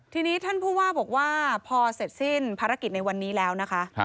ทีนี้ท่านผู้ว่าบอกว่าพอเสร็จสิ้นภารกิจในวันนี้แล้วนะคะ